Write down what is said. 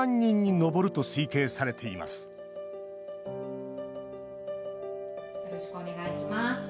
よろしくお願いします。